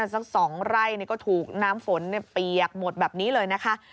สัก๒ไร่ก็ถูกน้ำฝนเปียกหมดแบบนี้เลยนะคะ